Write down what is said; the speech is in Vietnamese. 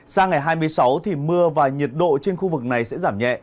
sang ngày hai mươi sáu thì mưa và nhiệt độ trên khu vực này sẽ giảm nhẹ